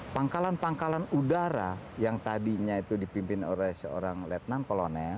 pangkalan pangkalan udara yang tadinya itu dipimpin oleh seorang letnan kolonel